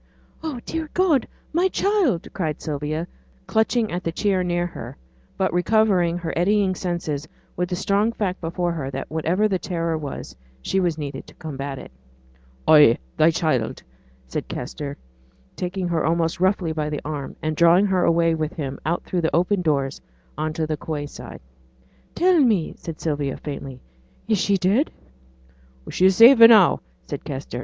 'Oh! dear God! my child!' cried Sylvia, clutching at the chair near her; but recovering her eddying senses with the strong fact before her that whatever the terror was, she was needed to combat it. 'Ay; thy child!' said Kester, taking her almost roughly by the arm, and drawing her away with him out through the open doors on to the quay side. 'Tell me!' said Sylvia, faintly, 'is she dead?' 'She's safe now,' said Kester.